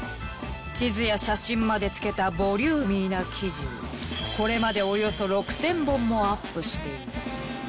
地図や写真まで付けたボリューミーな記事をこれまでおよそ６０００本もアップしている。